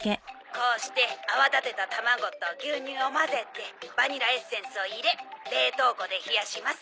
「こうして泡立てた卵と牛乳を混ぜてバニラエッセンスを入れ冷凍庫で冷やします」